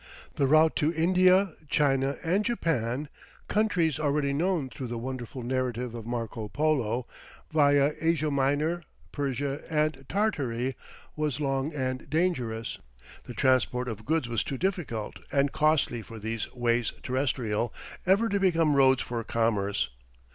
The route to India, China, and Japan (countries already known through the wonderful narrative of Marco Polo), viâ, Asia Minor, Persia, and Tartary, was long and dangerous. The transport of goods was too difficult and costly for these "ways terrestrial" ever to become roads for commerce.